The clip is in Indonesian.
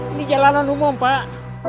ini jalanan umum pak